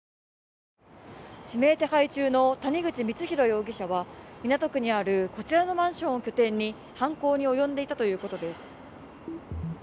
指名手配中の谷口光弘容疑者は港区にあるこちらのマンションを中心に犯行に及んでいたということです。